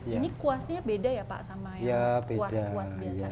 ini kuasnya beda ya pak sama yang kuas kuas biasa